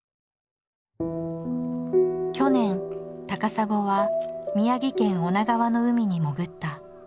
去年高砂は宮城県女川の海に潜った。